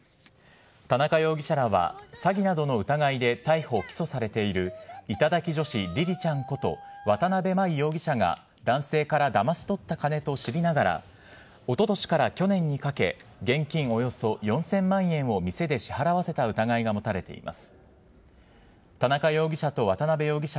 田中容疑者らは、詐欺などの疑いで逮捕・起訴されている頂き女子りりちゃんこと、渡邊真衣容疑者が、男性からだまし取った金と知りながら、おととしから去年にかけ、現金およそ４０００万円を店で支払わせ早くも来年の福袋商戦がスタートです。